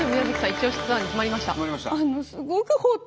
イチオシツアーに決まりました。